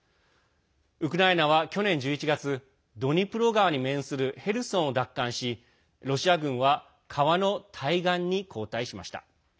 ウクライナは去年１１月ドニプロ川に面するヘルソンを奪還し、ロシア軍は川の対岸に後退しました。